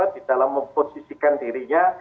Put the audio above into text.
di dalam memposisikan dirinya